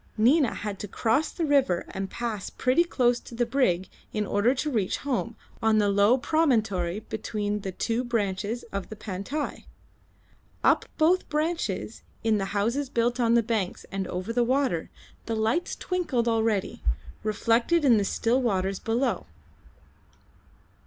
Nina had to cross the river and pass pretty close to the brig in order to reach home on the low promontory between the two branches of the Pantai. Up both branches, in the houses built on the banks and over the water, the lights twinkled already, reflected in the still waters below.